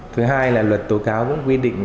thứ hai là luật tố cáo cũng quy định